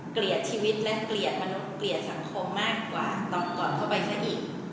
เกลียดชีวิตและเกลียดมนุษย์เกลียดสังคมมากกว่าตอนก่อนเข้าไปซะอีก